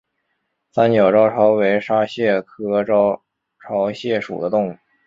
三角招潮为沙蟹科招潮蟹属的动物。